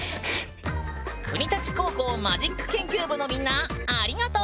国立高校マジック研究部のみんなありがとう！